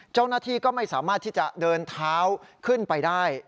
เจ้าหน้าที่ก็ไม่สามารถที่จะเดินเท้าขึ้นไปได้